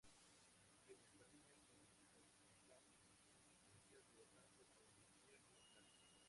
En Hispania se constata su existencia, de rango provincial y local.